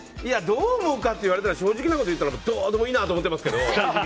どう思うかって言われたら正直なこと言ったらどうでもいいなと思ってますけど。